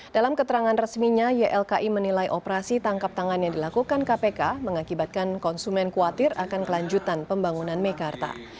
dalam keterangan resminya ylki menilai operasi tangkap tangan yang dilakukan kpk mengakibatkan konsumen khawatir akan kelanjutan pembangunan mekarta